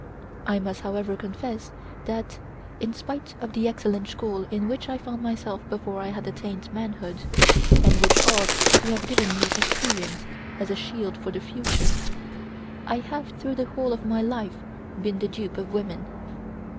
I must, however, confess that, in spite of the excellent school in which I found myself before I had attained manhood, and which ought to have given me experience as a shield for the future, I have through the whole of my life been the dupe of women.